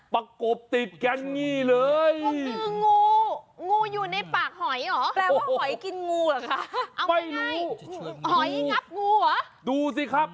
ปากหอยปากงู